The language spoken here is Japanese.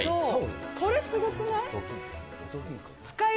これすごくない？